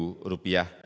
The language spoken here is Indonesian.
menjadi rp dua ratus dan